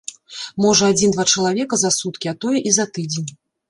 Можа, адзін-два чалавека за суткі, а тое і за тыдзень.